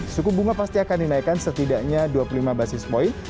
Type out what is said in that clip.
suku bunga pasti akan dinaikkan setidaknya dua puluh lima basis point